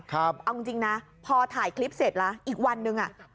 เอาจริงนะพอถ่ายคลิปเสร็จแล้วอีกวันนึงอ่ะ